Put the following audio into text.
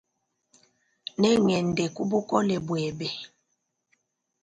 Nengende kubukole bwebe.